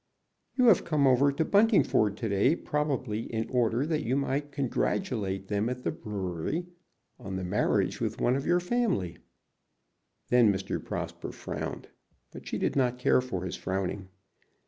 "You have come over to Buntingford to day probably in order that you might congratulate them at the brewery on the marriage with one of your family." Then Mr. Prosper frowned, but she did not care for his frowning.